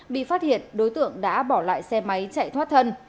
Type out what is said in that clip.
bị phát hiện đối tượng đã bỏ lại xe máy chạy thoát thân